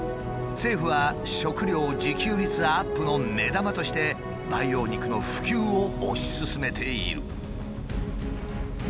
政府は食料自給率アップの目玉として培養肉の普及を推し進めている。